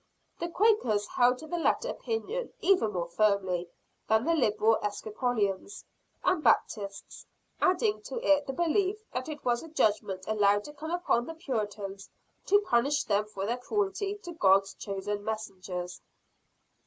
The Quakers held to the latter opinion even more firmly than the liberal Episcopalians and Baptists: adding to it the belief that it was a judgment allowed to come upon the Puritans, to punish them for their cruelty to God's chosen messengers.